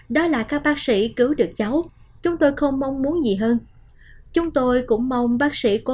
đó là các bác sĩ cứu được cháu chúng tôi không mong muốn gì hơn chúng tôi cũng mong bác sĩ có